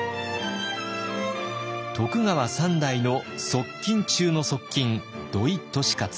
徳川三代の側近中の側近土井利勝。